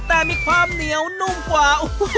แต่มีความเหนียวนุ่มกว่า